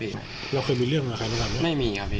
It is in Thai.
แล้วเคยมีเรื่องเหมือนกันหรือเปล่าครับไม่มีครับ